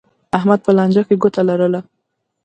احمد په لانجه کې ګوته لرله.